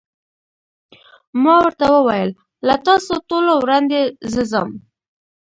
ما ورته وویل: له تاسو ټولو وړاندې زه ځم.